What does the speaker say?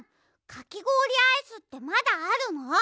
かきごおりアイスってまだあるの？